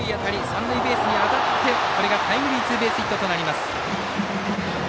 三塁ベースに当たってタイムリーツーベースヒットとなります。